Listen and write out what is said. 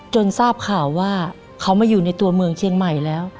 ทราบข่าวว่าเขามาอยู่ในตัวเมืองเชียงใหม่แล้ว